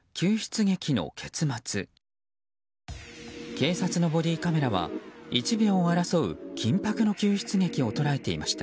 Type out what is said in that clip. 警察のボディーカメラは１秒を争う緊迫の救出劇を捉えていました。